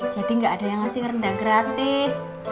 jadi gak ada yang ngasih rendang gratis